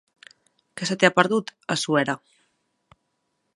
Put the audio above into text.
Què se t'hi ha perdut, a Suera?